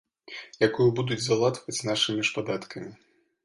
Якую будуць залатваць нашымі ж падаткамі.